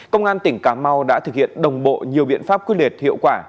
công an tỉnh cà mau đã thực hiện đồng bộ nhiều biện pháp quyết liệt hiệu quả